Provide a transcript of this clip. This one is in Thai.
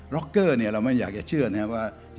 ล็อกเกอร์เนี่ย้าเราไม่อยากจะเชื่อนะครับ